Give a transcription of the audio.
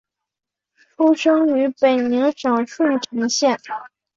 出生于北宁省顺成县。